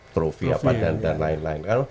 trofi dan lain lain